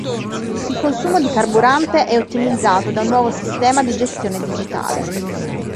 Il consumo di carburante è ottimizzato da un nuovo sistema di gestione digitale.